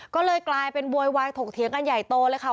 ก็เลยกลายเป็นโวยวายถกเถียงกันใหญ่โตเลยค่ะ